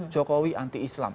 jokowi anti islam